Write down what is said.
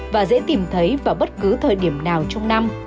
và dễ tìm thấy vào bất cứ thời điểm nào trong năm